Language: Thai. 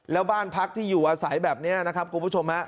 แล้วบ้านพักที่อยู่อาศัยแบบนี้นะครับคุณผู้ชมฮะ